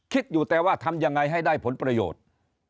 คิดอยู่แต่ว่าทำยังไงให้ได้ผลประโยชน์